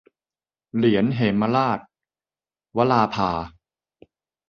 เหรียญเหมราช - วราภา